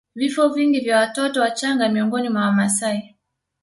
Vifo vingi vya watoto wachanga miongoni mwa Wamasai